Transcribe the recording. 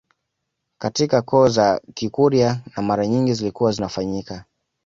Katika koo za kikurya na mara nyingi zilikuwa zinafanyika